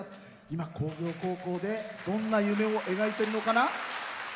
今、工業高校で、どんな夢を描いているのかな？